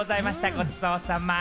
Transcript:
ごちそうさま！